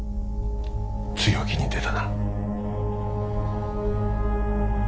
強気に出たな。